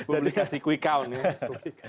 publikasi quick count